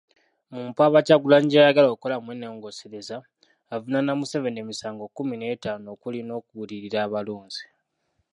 Mu mpaaba, Kyagulanyi gy'ayagala okukolamu ennongoosereza, avunaana Museveni emisango kkumi n'etaana okuli n'okugulirira abalonzi.